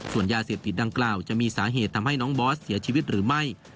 ส่วนยาเสพติดดังกล่าวจะมีสาเหตุทำให้น้องบอสเสียชีวิตหรือไม่